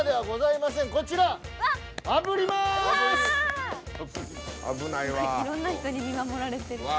いろんな人に見守られてる。